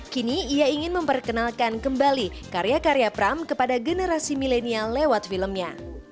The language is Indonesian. kini ia ingin memperkenalkan kembali karya karya pram kepada generasi milenial lewat filmnya